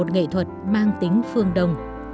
nghệ thuật mang tính phương đồng